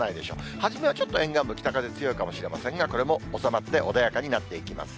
初めはちょっと沿岸部、北風強いかもしれませんが、これも収まって、穏やかになっていきます。